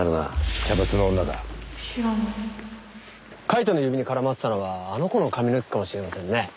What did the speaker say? カイトの指に絡まってたのはあの子の髪の毛かもしれませんね。